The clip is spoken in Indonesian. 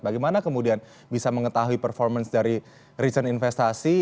bagaimana kemudian bisa mengetahui performance dari reason investasi